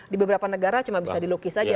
di beberapa negara cuma bisa dilukis saja